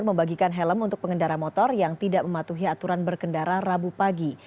membagikan helm untuk pengendara motor yang tidak mematuhi aturan berkendara rabu pagi